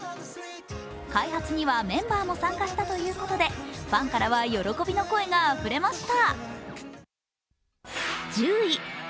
開発にはメンバーも参加したということでファンからは喜びの声があふれました。